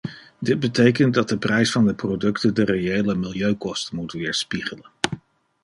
Dit betekent dat de prijs van de producten de reële milieukosten moet weerspiegelen.